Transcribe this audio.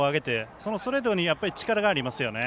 そのストレートに力がありますよね。